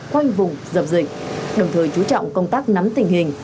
khoanh vùng dập dịch đồng thời chú trọng công tác nắm tình hình